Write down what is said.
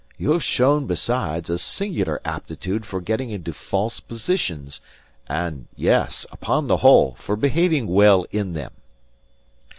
You have shown, besides, a singular aptitude for getting into false positions; and, yes, upon the whole, for behaving well in them.